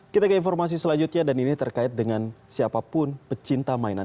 kita ke informasi selanjutnya dan ini terkait dengan siapapun pecinta mainan